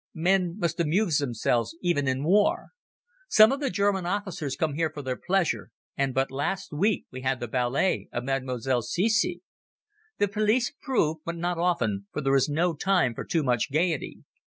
Men must amuse themselves even in war. Some of the German officers come here for their pleasure, and but last week we had the ballet of Mademoiselle Cici. The police approve—but not often, for this is no time for too much gaiety.